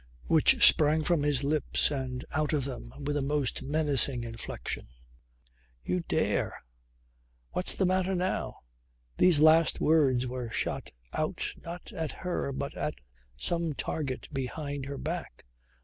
which sprang to his lips and out of them with a most menacing inflexion. "You dare ... What's the matter now?" These last words were shot out not at her but at some target behind her back.